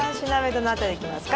どの辺りいきますか？